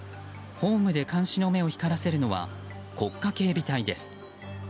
ホームで監視の目を光らせるのは国家警備隊です。